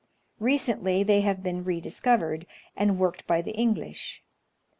Recently they have been rediscovered, and worked by the English.